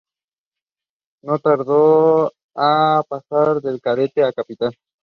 No tardó en pasar de cadete a capitán.